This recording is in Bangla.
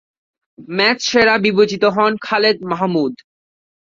ম্যাচ সেরা বিবেচিত হন খালেদ মাহমুদ।